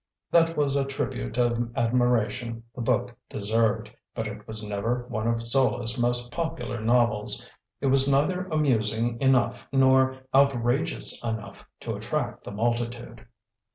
That was a tribute of admiration the book deserved, but it was never one of Zola's most popular novels; it was neither amusing enough nor outrageous enough to attract the multitude.